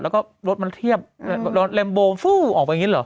แล้วก็รถมันเทียบแรมโบฟู้ออกไปอย่างนี้เหรอ